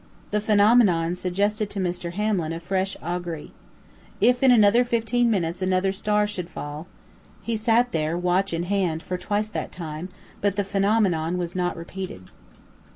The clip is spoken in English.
The phenomenon suggested to Mr. Hamlin a fresh augury. If in another fifteen minutes another star should fall He sat there, watch in hand, for twice that time, but the phenomenon was not repeated.